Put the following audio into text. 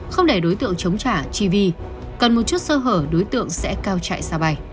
không để đối tượng chống trả chi vi cần một chút sơ hở đối tượng sẽ cao chạy xa bay